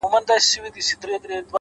هره هڅه یو اغېز پرېږدي؛